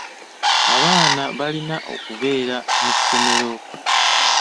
Abaana balina okubeera mu ssomero.